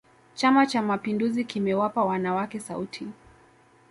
chama cha mapinduzi kimewapa wanawake sauti